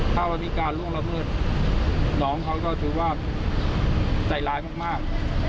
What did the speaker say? ถ้าเรามีการล่วงละเมิดน้องเขาก็ถือว่าใจร้ายมาก